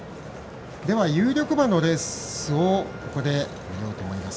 有力馬のレースをここで見ようと思います。